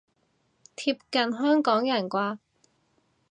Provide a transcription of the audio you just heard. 貼近香港人啩